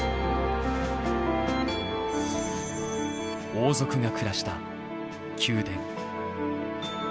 王族が暮らした宮殿。